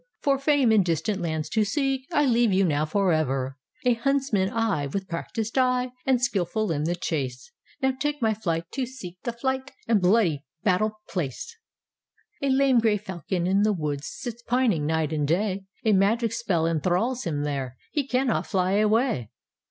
For Fame in distant lands to seek, I leave you now forever. A huntsman, I, With practised eye And skillful in the chase. Now take my flight To seek the fight And bloody battle place." "A lame gray falcon, in the woods, Sits pining night and day. A magic spell enthralls him there; He cannot fly away.